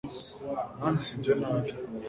nanditse ibyo nabi